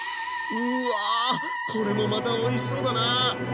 うわこれもまたおいしそうだな！